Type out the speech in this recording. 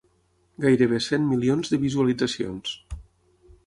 Gairebé cent milions de visualitzacions.